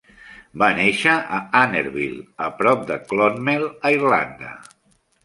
Va néixer a Annerville, a prop de Clonmel, a Irlanda.